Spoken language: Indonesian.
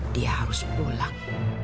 dia harus pulang